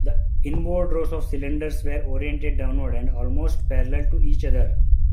The inboard rows of cylinders were oriented downward and almost parallel to each other.